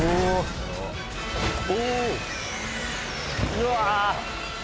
うわ！